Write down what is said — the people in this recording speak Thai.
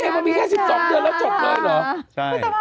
อ๋อเพลงมันมีแค่สิบสองเมื่อนแล้วจดเลยหรอใช่